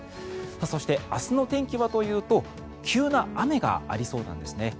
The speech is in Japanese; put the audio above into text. そして、明日の天気はというと急な雨がありそうなんですね。